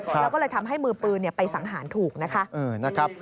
แล้วก็เลยทำให้มือปืนไปสังหารถูกนะคะ